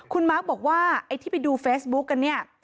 คุณมาร์คบอกว่าไอ้ที่ไปดูเฟซบุ๊กกันเนี่ย